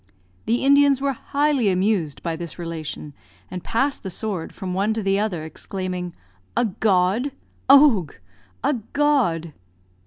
The Indians were highly amused by this relation, and passed the sword from one to the other, exclaiming, "A god! Owgh! A god!"